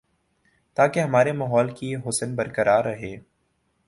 تاکہ ہمارے ماحول کی حسن برقرار رہے